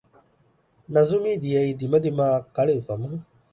ނަޒުމީ ދިޔައީ ދިމަދިމާއަށް ކަޅިއުކަމުން